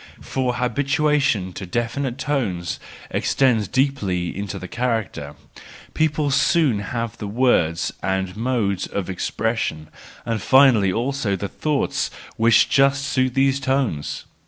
For habituation to definite tones extends deeply into the character:—people soon have the words and modes of expression, and finally also the thoughts which just suit these tones!